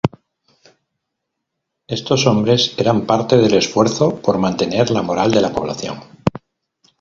Estos hombres eran parte del esfuerzo por mantener la moral de la población.